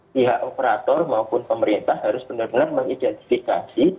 pihak operator maupun pemerintah harus benar benar mengidentifikasi